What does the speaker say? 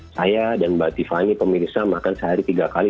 saya dan mbak tiffany pemirsa makan sehari tiga kali